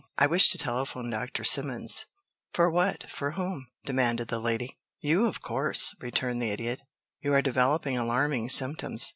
"I wish to telephone Dr. Simmons." "For what for whom?" demanded the lady. "You, of course," returned the Idiot. "You are developing alarming symptoms.